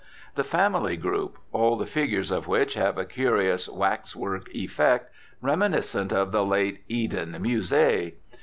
The family group (all the figures of which have a curious wax work effect, reminiscent of the late Eden Musee).